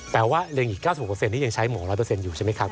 แปลว่าที่ยังใช้มหารอตอยู่ใช่ไหมครับ